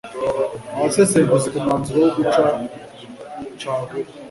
Abasesenguzi ku mwanzuro wo guca caguwa